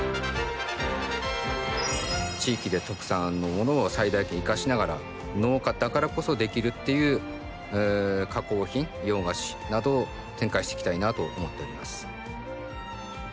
地域で特産のものを最大限生かしながら農家だからこそできるっていう加工品洋菓子などを展開していきたいなと思っております。